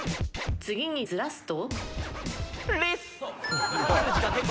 次にずらすと？